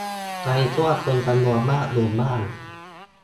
ในช่วงคนจำนวนมากอยู่บ้าน